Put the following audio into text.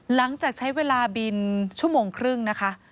หลังจากใช้เวลาบินชั่วโมงครึ่งนะคะ